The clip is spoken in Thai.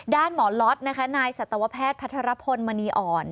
หมอล็อตนะคะนายสัตวแพทย์พัทรพลมณีอ่อน